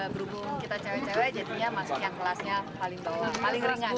berhubung kita cewek cewek jadinya masuk yang kelasnya paling ringan